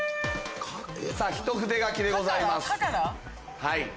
一筆書きでございます。